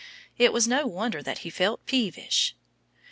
It was no wonder that he felt peevish.